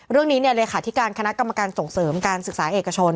เรื่องนี้เลขาธิการคณะกรรมการส่งเสริมการศึกษาเอกชน